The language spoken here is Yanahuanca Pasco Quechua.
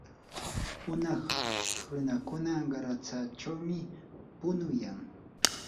unay runakuna qaratsachawmi punuyan.